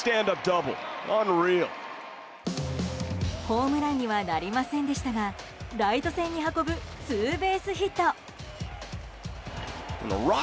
ホームランにはなりませんでしたがライト線に運ぶツーベースヒット。